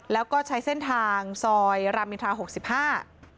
แล้วก็ใช้เส้นทางซอยรามอินทราหกสิบห้า